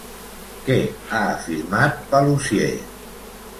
Què ha afirmat Paluzie?